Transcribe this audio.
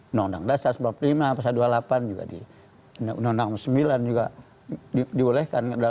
undang undang dasar seribu sembilan ratus empat puluh lima pasal dua puluh delapan juga di undang undang sembilan juga dibolehkan